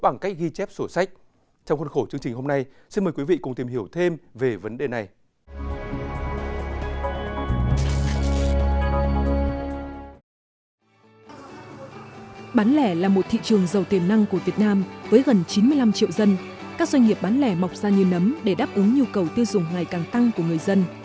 nhiều doanh nghiệp bán lẻ mọc ra như nấm để đáp ứng nhu cầu tiêu dùng ngày càng tăng của người dân